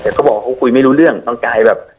แต่เขาบอกเขาคุยไม่รู้เรื่องบางกายแบบ